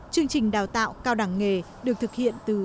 chương trình đào tạo cao đẳng nghề được thực hiện từ hai đến ba năm